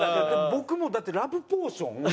僕もだってラブポーションを。